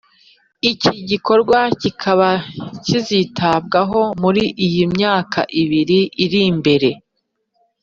iki gikorwa kikaba kizitabwaho muri iyi myaka ibiri iri imbere.